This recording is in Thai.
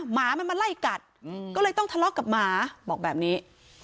หมามันมาไล่กัดก็เลยต้องทะเลาะกับหมาบอกแบบนี้